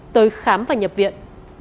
tới khám và nhập viện